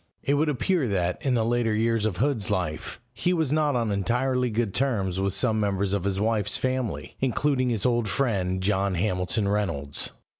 It would appear that, in the later years of Hood's life, he was not on entirely good terms with some members of his wife's family, including his old friend John Hamilton Reynolds.